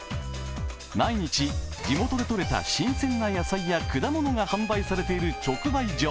毎日、地元で取れた新鮮な野菜や果物が発売されている直売所。